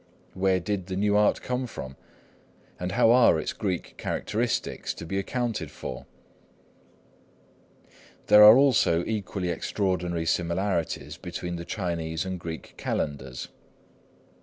Where did the new art come from? And how are its Greek characteristics to be accounted for? There are also equally extraordinary similarities between the Chinese and Greek calendars.